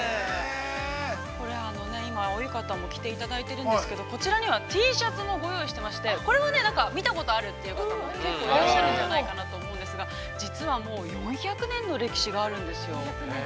これは、今、お浴衣を着ていただいているんですけれども、こちらには、Ｔシャツもご用意していましてこれは見たことあるという方も結構いらっしゃるんじゃないかなと思うんですが、実はもう４００年の歴史があるんですよ。